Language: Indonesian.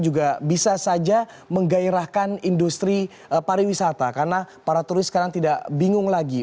juga bisa saja menggairahkan industri pariwisata karena para turis sekarang tidak bingung lagi